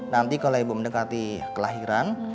nanti kalau ibu mendekati kelahiran